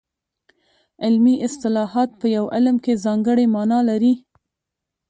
علمي اصطلاحات په یو علم کې ځانګړې مانا لري